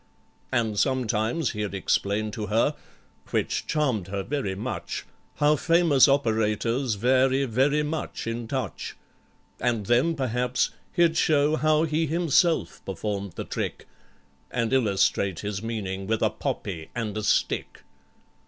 And sometimes he'd explain to her, which charmed her very much, How famous operators vary very much in touch, And then, perhaps, he'd show how he himself performed the trick, And illustrate his meaning with a poppy and a stick.